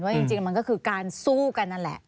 จริงมันก็คือการสู้กันนั่นแหละ